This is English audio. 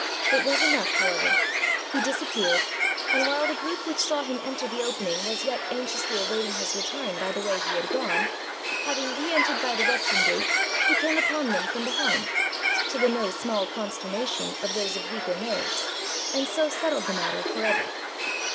It was enough, however: he disappeared, and while the group which saw him enter the opening was yet anxiously waiting his return by the way he had gone, having re entered by the western gate he came upon them from behind, to the no small consternation of those of weaker nerves, and so settled the matter for ever.